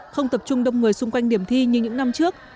không tập trung đông người xung quanh điểm thi như những năm trước